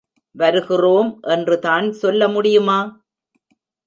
வருகிறோம் என்றுதான் சொல்லமுடியுமா?